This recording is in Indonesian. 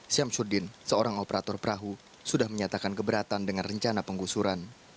syamsuddin seorang operator perahu sudah menyatakan keberatan dengan rencana penggusuran